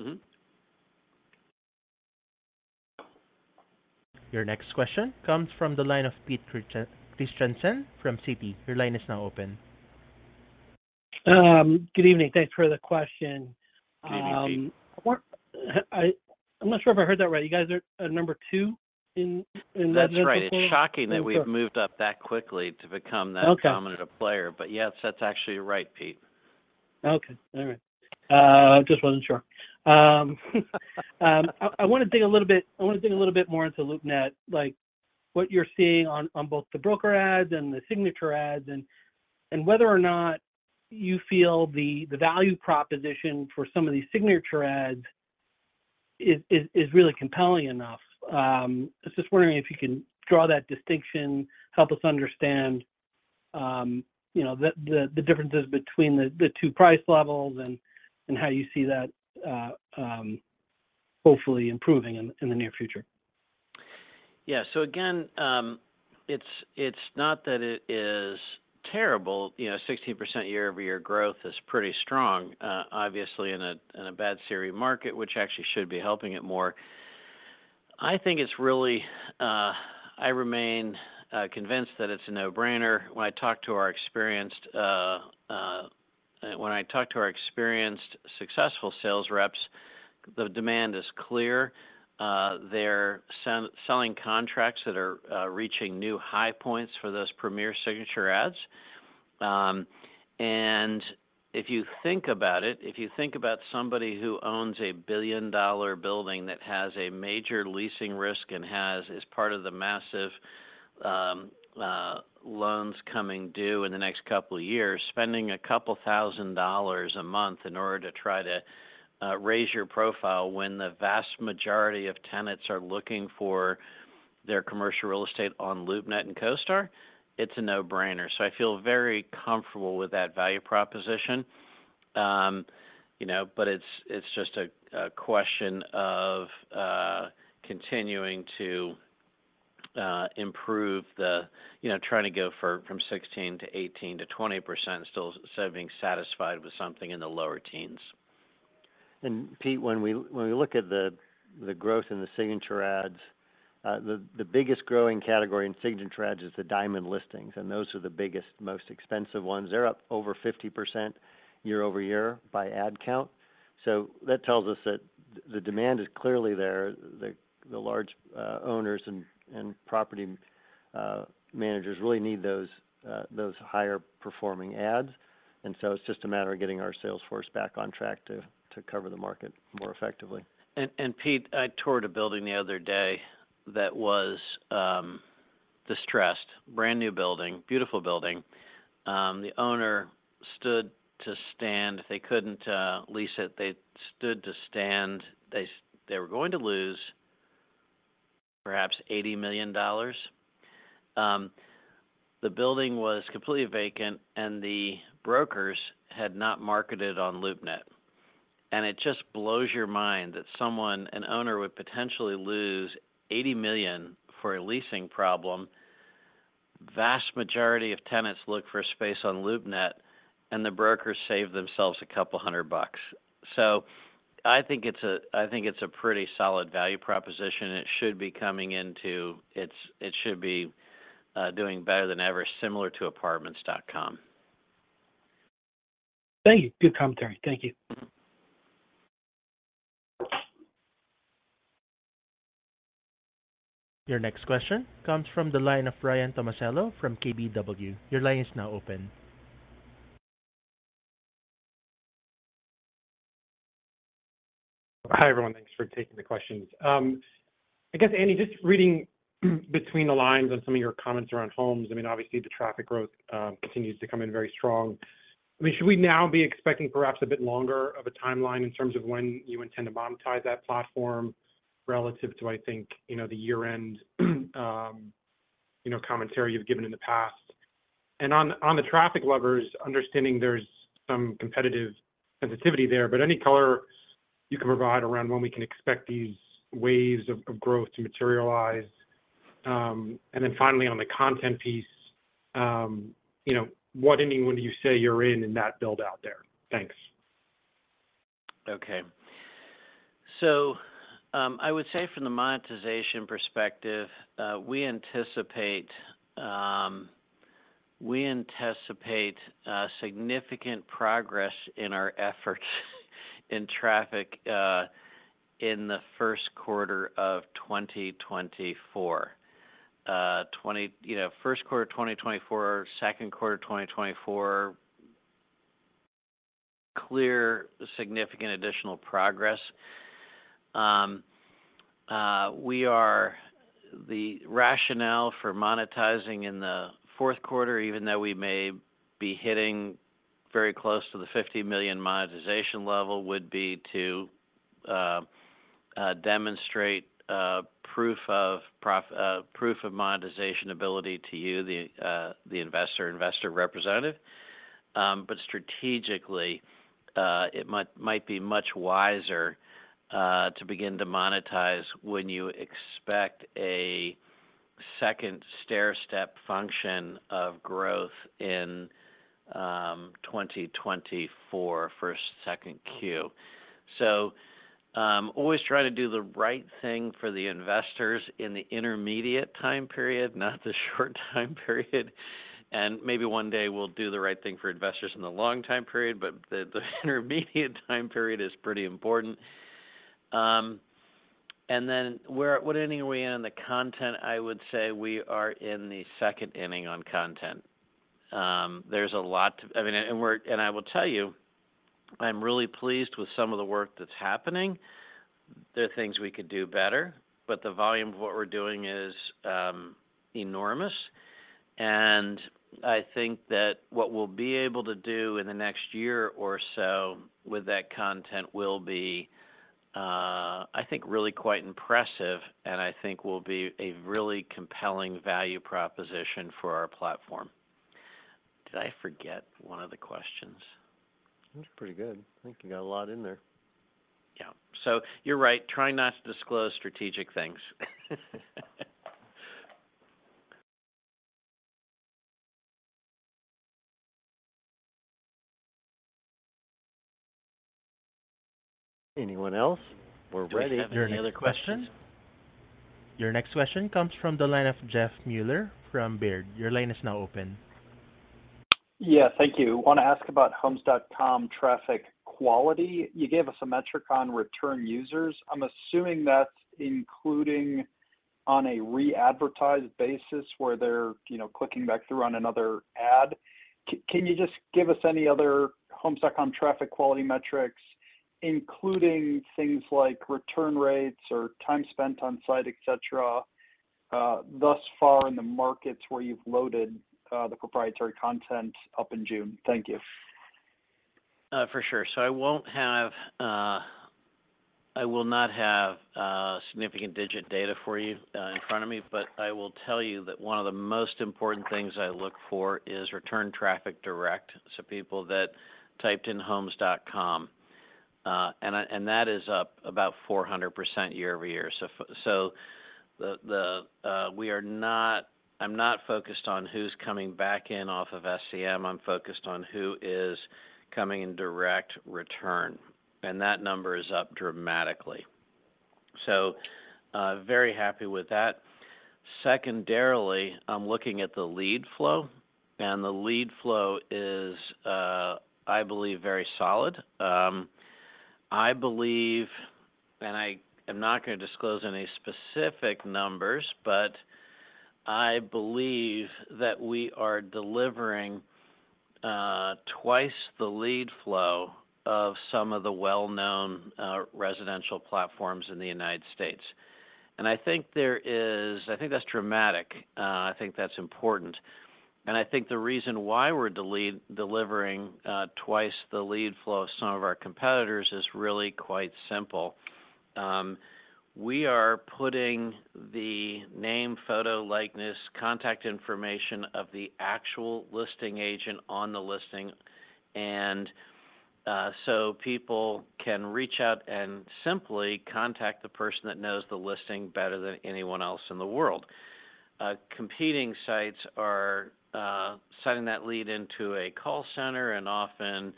Mm-hmm. Your next question comes from the line of Pete Christiansen from Citi. Your line is now open. Good evening. Thanks for the question. Good evening, Pete. I'm not sure if I heard that right. You guys are number two in that vertical? That's right. Okay. It's shocking that we've moved up that quickly. Okay That dominant a player, but yes, that's actually right, Pete. Okay. All right. I just wasn't sure. I wanna dig a little bit more into LoopNet, like, what you're seeing on both the broker ads and the Signature Ads and whether or not you feel the value proposition for some of these Signature Ads is really compelling enough. I was just wondering if you can draw that distinction, help us understand, you know, the differences between the two price levels and how you see that hopefully improving in the near future. Again, it's not that it is terrible. You know, 16% year-over-year growth is pretty strong, obviously in a bad series market, which actually should be helping it more. I think it's really. I remain convinced that it's a no-brainer. When I talk to our experienced, successful sales reps, the demand is clear. They're selling contracts that are reaching new high points for those premier Signature Ads. If you think about somebody who owns a billion-dollar building that has a major leasing risk and has, as part of the massive loans coming due in the next 2 years, spending $2,000 a month in order to try to raise your profile when the vast majority of tenants are looking for their commercial real estate on LoopNet and CoStar, it's a no-brainer. I feel very comfortable with that value proposition. You know, it's just a question of continuing to improve the. You know, trying to go for, from 16% to 18% to 20%, instead of being satisfied with something in the lower teens. Pete, when we look at the growth in the Signature Ads, the biggest growing category in Signature Ads is the Diamond listings, those are the biggest, most expensive ones. They're up over 50% year-over-year by ad count. That tells us that the demand is clearly there. The large owners and property managers really need those higher performing ads. It's just a matter of getting our salesforce back on track to cover the market more effectively. Pete, I toured a building the other day that was distressed. Brand-new building, beautiful building. The owner stood to stand. They couldn't lease it. They stood to stand. They were going to lose perhaps $80 million. The building was completely vacant, and the brokers had not marketed on LoopNet. It just blows your mind that someone, an owner, would potentially lose $80 million for a leasing problem. Vast majority of tenants look for space on LoopNet, and the brokers save themselves $200. I think it's a pretty solid value proposition, and it should be coming into. It's, it should be doing better than ever, similar to Apartments.com. Thank you. Good commentary. Thank you. Your next question comes from the line of Ryan Tomasello from KBW. Your line is now open. Hi, everyone. Thanks for taking the questions. I guess, Andy, just reading between the lines on some of your comments around Homes.com, I mean, obviously, the traffic growth continues to come in very strong. I mean, should we now be expecting perhaps a bit longer of a timeline in terms of when you intend to monetize that platform relative to, I think, you know, the year-end, commentary you've given in the past? On the traffic levers, understanding there's some competitive sensitivity there, but any color you can provide around when we can expect these waves of growth to materialize. Then finally, on the content piece, you know, what inning would you say you're in that build-out there? Thanks. Okay. I would say from the monetization perspective, we anticipate significant progress in our efforts in traffic in the first quarter of 2024. You know, first quarter of 2024, second quarter of 2024, clear, significant additional progress. The rationale for monetizing in the fourth quarter, even though we may be hitting very close to the $50 million monetization level, would be to demonstrate proof of monetization ability to you, the investor representative. Strategically, it might be much wiser to begin to monetize when you expect a second stairstep function of growth in 2024, first, second Q. Always try to do the right thing for the investors in the intermediate time period, not the short time period. Maybe one day we'll do the right thing for investors in the long time period, but the intermediate time period is pretty important. What inning are we in on the content? I would say we are in the second inning on content. There's a lot to. I mean, and I will tell you, I'm really pleased with some of the work that's happening. There are things we could do better, but the volume of what we're doing is enormous, and I think that what we'll be able to do in the next year or so with that content will be, I think will be really quite impressive, and I think will be a really compelling value proposition for our platform. Did I forget one of the questions? That's pretty good. I think you got a lot in there. Yeah. You're right. Trying not to disclose strategic things. Anyone else? We're ready. Any other questions? Your next question comes from the line of Jeff Meuler from Baird. Your line is now open. Yeah, thank you. I want to ask about Homes.com traffic quality. You gave us a metric on return users. I'm assuming that's on a readvertised basis where they're, you know, clicking back through on another ad. Can you just give us any other Homes.com traffic quality metrics, including things like return rates or time spent on site, et cetera, thus far in the markets where you've loaded the proprietary content up in June? Thank you. For sure. I won't have, I will not have, significant digit data for you, in front of me, but I will tell you that one of the most important things I look for is return traffic direct, so people that typed in Homes.com. That is up about 400% year-over-year. I'm not focused on who's coming back in off of SCM, I'm focused on who is coming in direct return, that number is up dramatically. Very happy with that. Secondarily, I'm looking at the lead flow, the lead flow is, I believe, very solid. I believe, I am not going to disclose any specific numbers, but I believe that we are delivering twice the lead flow of some of the well-known residential platforms in the United States. I think that's dramatic, I think that's important, and I think the reason why we're delivering twice the lead flow of some of our competitors is really quite simple. We are putting the name, photo, likeness, contact information of the actual listing agent on the listing, and so people can reach out and simply contact the person that knows the listing better than anyone else in the world. Competing sites are sending that lead into a call center and often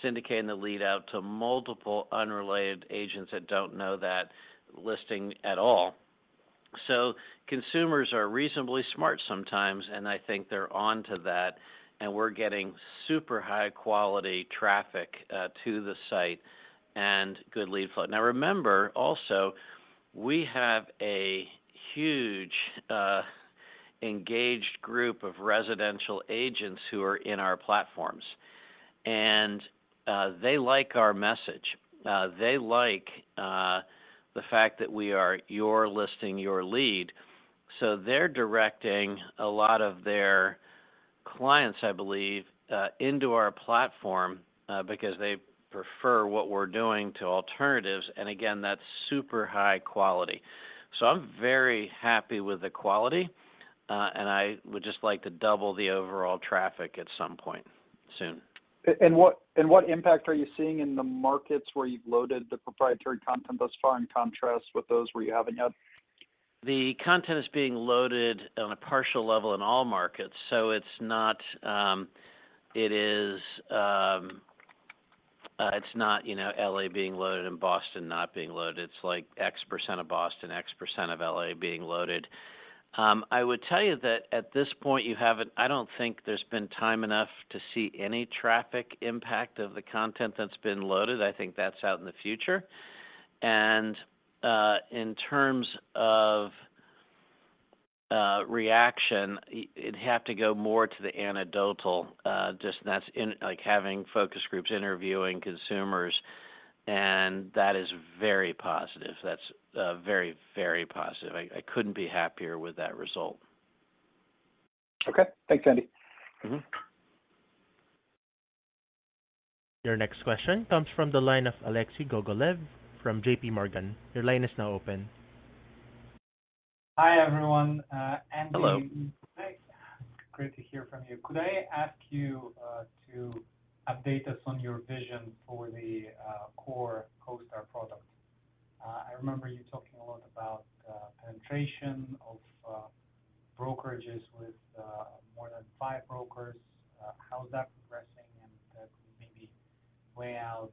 syndicating the lead out to multiple unrelated agents that don't know that listing at all. Consumers are reasonably smart sometimes, and I think they're on to that, and we're getting super high-quality traffic to the site and good lead flow. Remember, also, we have a huge engaged group of residential agents who are in our platforms, and they like our message. They like the fact that we are your listing, your lead, so they're directing a lot of their clients, I believe, into our platform because they prefer what we're doing to alternatives. Again, that's super high quality. I'm very happy with the quality, and I would just like to double the overall traffic at some point soon. What impact are you seeing in the markets where you've loaded the proprietary content thus far, in contrast with those where you haven't yet? The content is being loaded on a partial level in all markets, so it's not. It is, you know, L.A. being loaded and Boston not being loaded. It's like X% of Boston, X% of L.A. being loaded. I would tell you that at this point, I don't think there's been time enough to see any traffic impact of the content that's been loaded. I think that's out in the future. In terms of reaction, it'd have to go more to the anecdotal, just that's in, like, having focus groups, interviewing consumers, and that is very positive. That's very, very positive. I couldn't be happier with that result. Okay. Thanks, Andy. Mm-hmm. Your next question comes from the line of Alexei Gogolev from J.P. Morgan. Your line is now open. Hi, everyone. Hello. Andy, hi. Great to hear from you. Could I ask you to update us on your vision for the core CoStar product? I remember you talking a lot about penetration of brokerages with more than five brokers. How's that progressing? Could you maybe lay out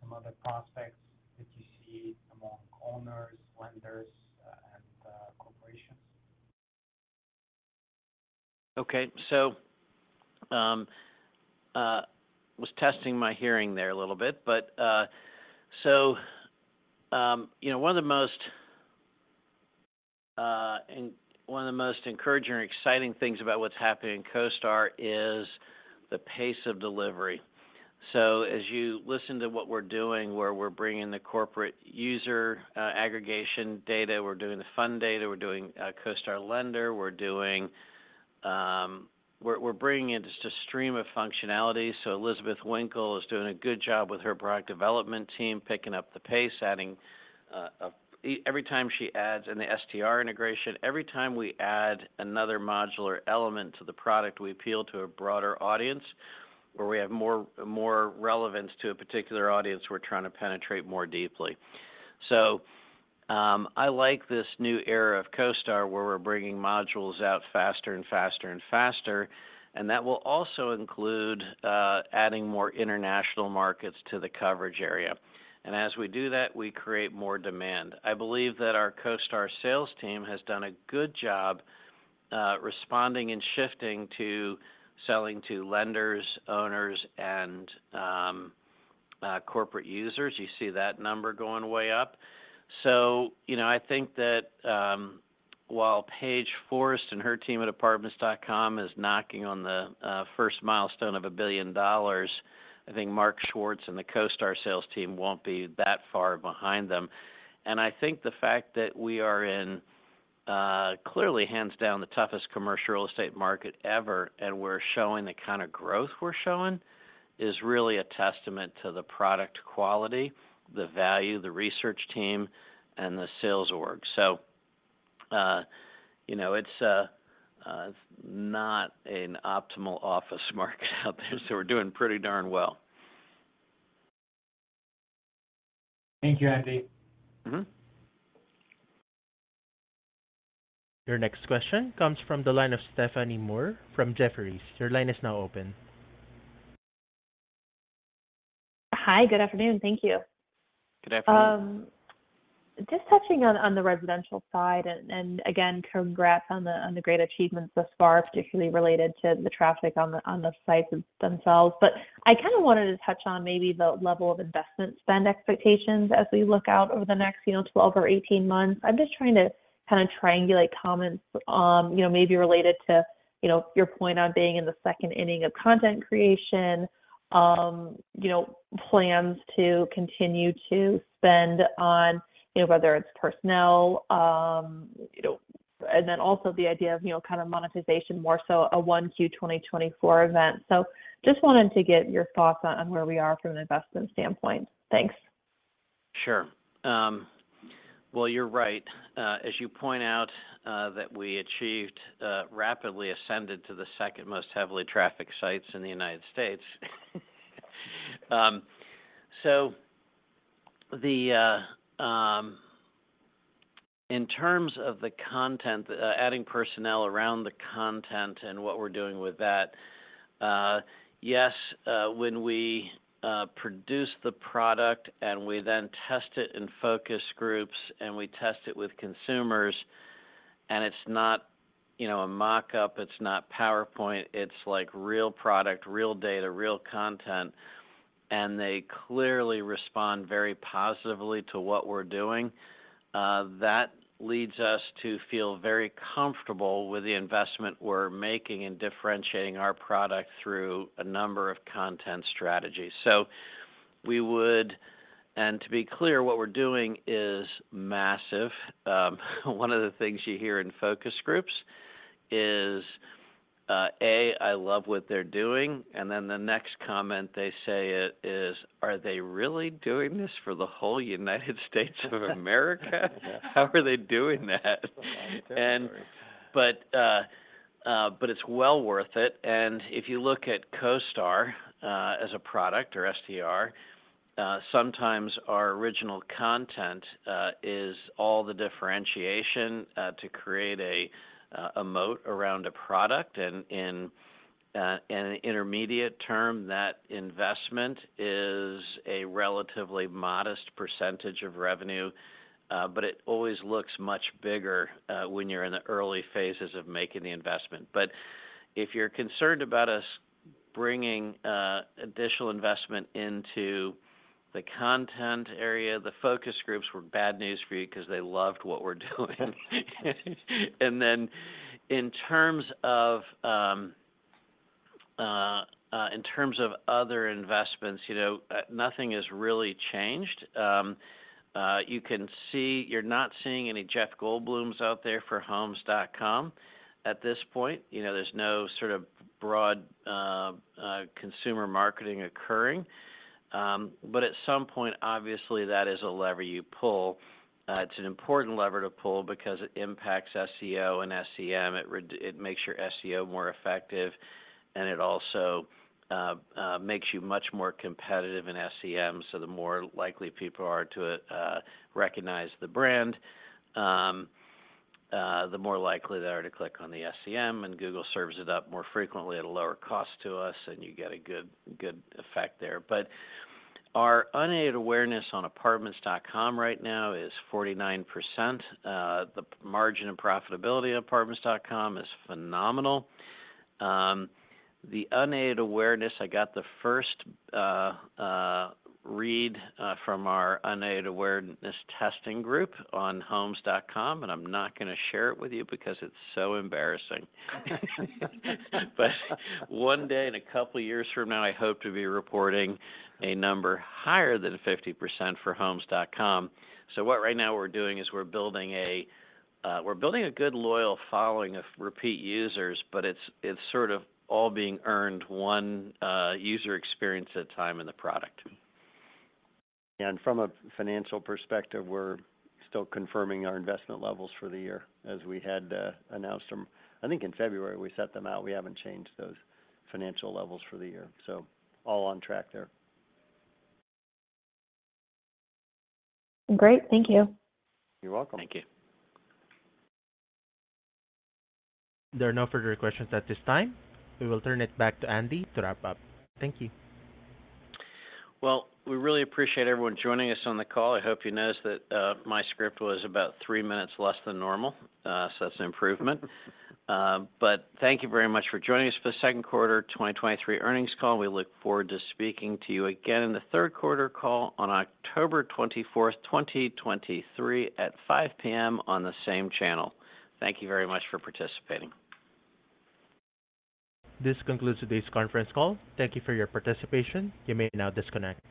some other prospects that you see among owners, lenders, and corporations? was testing my hearing there a little bit. You know, one of the most encouraging or exciting things about what's happening in CoStar is the pace of delivery. As you listen to what we're doing, where we're bringing the corporate user, aggregation data, we're doing the fund data, we're doing CoStar Lender, we're bringing in just a stream of functionality. Elizabeth Winkle is doing a good job with her product development team, picking up the pace, adding every time she adds in the STR integration, every time we add another modular element to the product, we appeal to a broader audience, or we have more relevance to a particular audience we're trying to penetrate more deeply. I like this new era of CoStar, where we're bringing modules out faster and faster and faster, and that will also include adding more international markets to the coverage area. As we do that, we create more demand. I believe that our CoStar sales team has done a good job responding and shifting to selling to lenders, owners, and corporate users, you see that number going way up. You know, I think that while Paige Forrest and her team at Apartments.com is knocking on the first milestone of $1 billion, I think Mark Schwartz and the CoStar sales team won't be that far behind them. I think the fact that we are in, clearly hands down the toughest commercial real estate market ever, and we're showing the kind of growth we're showing, is really a testament to the product quality, the value, the research team, and the sales org. You know, not an optimal office market out there, so we're doing pretty darn well. Thank you, Andy. Mm-hmm. Your next question comes from the line of Stephanie Moore from Jefferies. Your line is now open. Hi, good afternoon. Thank you. Good afternoon. Just touching on the residential side, and again, congrats on the great achievements thus far, particularly related to the traffic on the sites themselves. I kind of wanted to touch on maybe the level of investment spend expectations as we look out over the next, you know, 12 or 18 months. I'm just trying to kind of triangulate comments on, you know, maybe related to, you know, your point on being in the second inning of content creation. You know, plans to continue to spend on, you know, whether it's personnel, you know, and then also the idea of, you know, kind of monetization, more so a 1 Q 2024 event. Just wanted to get your thoughts on where we are from an investment standpoint. Thanks. Sure. Well, you're right, as you point out, that we achieved, rapidly ascended to the second most heavily trafficked sites in the United States. The, in terms of the content, adding personnel around the content and what we're doing with that, yes, when we produce the product, and we then test it in focus groups, and we test it with consumers, and it's not, you know, a mock-up, it's not PowerPoint, it's like real product, real data, real content, and they clearly respond very positively to what we're doing, that leads us to feel very comfortable with the investment we're making in differentiating our product through a number of content strategies. We would to be clear, what we're doing is massive. One of the things you hear in focus groups is, I love what they're doing, and then the next comment they say it is, "Are they really doing this for the whole United States of America? How are they doing that? It's a lot territory. But it's well worth it. If you look at CoStar as a product or STR, sometimes our original content is all the differentiation to create a moat around a product. In an intermediate term, that investment is a relatively modest percentage of revenue, but it always looks much bigger when you're in the early phases of making the investment. If you're concerned about us bringing additional investment into the content area, the focus groups were bad news for you because they loved what we're doing. In terms of, in terms of other investments, you know, nothing has really changed. You're not seeing any Jeff Goldblum out there for Homes.com at this point. You know, there's no sort of broad consumer marketing occurring. At some point, obviously, that is a lever you pull. It's an important lever to pull because it impacts SEO and SEM. It makes your SEO more effective, and it also makes you much more competitive in SEM. The more likely people are to recognize the brand, the more likely they are to click on the SEM, and Google serves it up more frequently at a lower cost to us, and you get a good effect there. Our unaided awareness on Apartments.com right now is 49%. The margin and profitability of Apartments.com is phenomenal. The unaided awareness, I got the first read from our unaided awareness testing group on Homes.com, and I'm not gonna share it with you because it's so embarrassing. One day, in a couple years from now, I hope to be reporting a number higher than 50% for Homes.com. What right now we're doing is we're building a, we're building a good, loyal following of repeat users, but it's sort of all being earned one user experience at a time in the product. From a financial perspective, we're still confirming our investment levels for the year, as we had announced them. I think in February, we set them out. We haven't changed those financial levels for the year, so all on track there. Great. Thank you. You're welcome. Thank you. There are no further questions at this time. We will turn it back to Andy to wrap up. Thank you. We really appreciate everyone joining us on the call. I hope you noticed that my script was about three minutes less than normal, that's an improvement. Thank you very much for joining us for the second quarter 2023 earnings call. We look forward to speaking to you again in the third quarter call on October 24, 2023 at 5:00 P.M. on the same channel. Thank you very much for participating. This concludes today's conference call. Thank you for your participation. You may now disconnect.